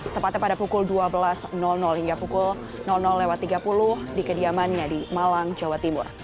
tepatnya pada pukul dua belas hingga pukul tiga puluh di kediamannya di malang jawa timur